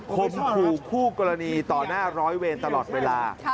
คมคู่กรณีต่อหน้าร้อยเวรตลอดเวลา